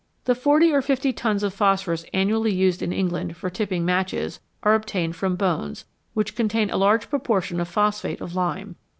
The forty or fifty tons of phosphorus annually used in England for tipping matches are obtained from bones, which contain a large proportion of phosphate of lime.